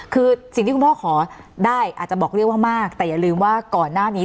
คือสิ่งที่คุณพ่อขอได้อาจจะบอกเรียกว่ามากแต่อย่าลืมว่าก่อนหน้านี้